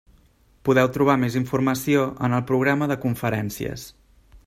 Podeu trobar més informació en el programa de conferències.